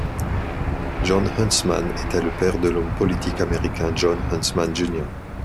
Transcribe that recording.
Jon Huntsman était le père de l'homme politique américain Jon Huntsman, Jr.